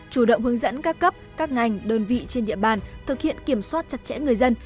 chủ động hướng dẫn các cấp các ngành đơn vị trên địa bàn thực hiện kiểm soát chặt chẽ người dân